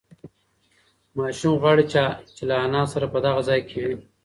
ماشوم غواړي چې له انا سره په دغه ځای کې وي.